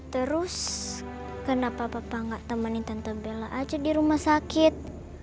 terus kenapa papa gak temenin tante bella aja di rumah sakit